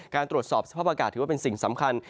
ตรวจสอบสภาพอากาศถือว่าเป็นสิ่งสำคัญ